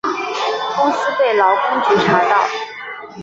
公司被劳工局查到